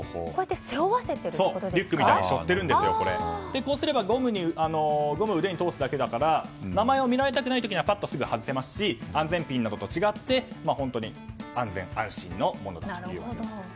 こうすればゴムを腕に通すだけですから名前を見られたくない時はぱっとすぐ外せますし安全ピンと違って本当に安全・安心のものだということです。